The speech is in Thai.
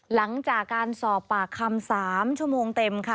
หลังจากการสอบปากคำ๓ชั่วโมงเต็มค่ะ